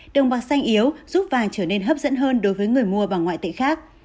đồng bạc xanh yếu giúp vàng trở nên hấp dẫn hơn đối với người mua bằng ngoại tệ khác